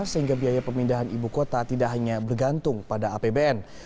sehingga biaya pemindahan ibu kota tidak hanya bergantung pada apbn